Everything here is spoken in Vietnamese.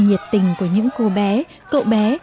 nhiệt tình của những cô bé cậu bé